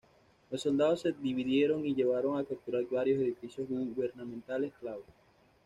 Los soldados se dividieron y llevaron a capturar varios edificios gubernamentales clave.